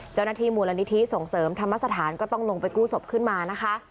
เจ้าหน้าที่มูลนิธิส่งเสริมธรรมสถานก็ต้องลงไปกู้ศพขึ้นมานะคะ